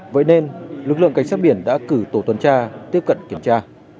vậy nên lực lượng cảnh sát biển đã cử tổ tuần tra tiếp cận kiểm tra